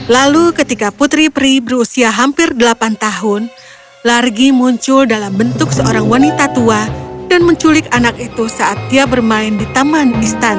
lalu ketika putri pri berusia hampir delapan tahun largi muncul dalam bentuk seorang wanita tua dan menculik anak itu saat dia bermain di taman istana